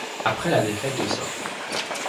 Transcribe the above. Après la défaite de St.